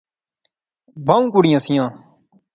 بہوں کڑیاں سیاں